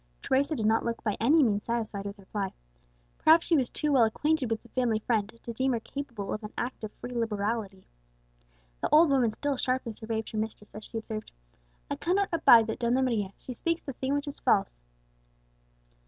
Teresa did not look by any means satisfied with the reply; perhaps she was too well acquainted with the family friend to deem her capable of an act of free liberality. The old woman still sharply surveyed her mistress as she observed, "I cannot abide that Donna Maria; she speaks the thing which is false."